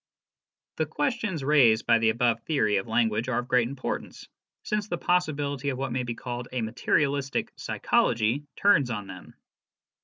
The questions raised by the above theory of language are of great importance, since the possibility of what may be called a materialistic psychology turns on them.